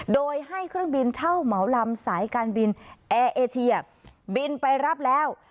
โดยให้เครื่องบินเช่าเหมาลำสายการบินแอร์เอเชียบินไปรับแล้ว